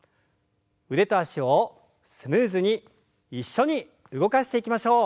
腕と脚をスムーズに一緒に動かしていきましょう。